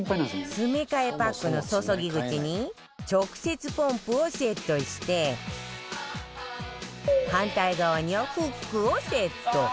詰め替えパックの注ぎ口に直接ポンプをセットして反対側にはフックをセット